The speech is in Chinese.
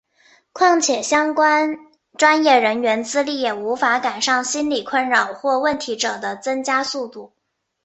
况且相关专业人力资源也无法赶上心理困扰或问题者的增加速度。